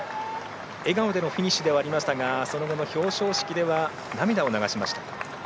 笑顔でのフィニッシュではありましたがその後の表彰式では涙を流しました。